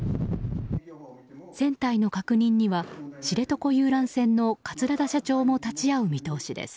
船体の確認には知床遊覧船の桂田社長も立ち会う見通しです。